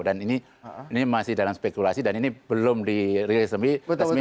dan ini masih dalam spekulasi dan ini belum di release lebih resmi